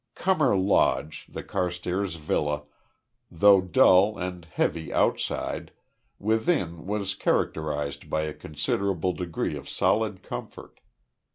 Cumnor Lodge, the Carstairs villa, though dull and heavy outside, within was characterised by a considerable degree of solid comfort.